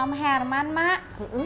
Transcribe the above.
om herman mak